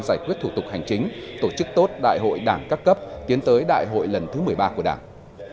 giải quyết thủ tục hành chính tổ chức tốt đại hội đảng các cấp tiến tới đại hội lần thứ một mươi ba của đảng